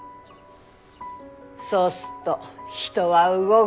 そうすっと人は動ぐ。